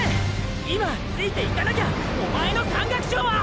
今ついていかなきゃおまえの山岳賞はーー！！